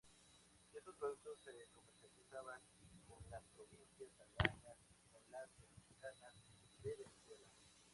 Estos productos se comercializaban con las provincias aledañas y con las cercanas de Venezuela.